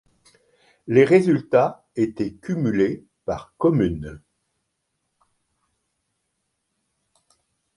Les résultats étaient cumulés par commune.